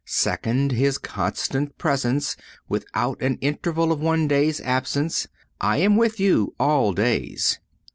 Second—His constant presence, without an interval of one day's absence—"I am with you all days."